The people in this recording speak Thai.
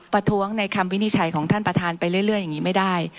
ประท้วงในคำวินิจฉัยของท่านประธานไปเรื่อยอย่างนี้ไม่ได้